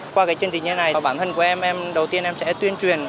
qua cái chương trình như thế này thì bản thân của em em đầu tiên em sẽ tuyên truyền